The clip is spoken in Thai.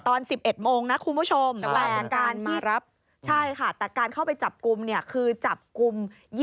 ตอน๑๑โมงนะคุณผู้ชมแต่การเข้าไปจับกลุ่มเนี่ยคือจับกลุ่ม๒๔